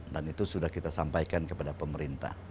dan itu sudah kita sampaikan